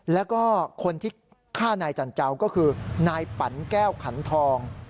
แล้วก็คนที่ฆ่านายจันเจ้าก็คือนายปั่นแก้วขันทอง